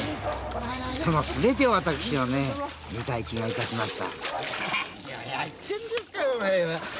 その全てを私は見たい気がしました。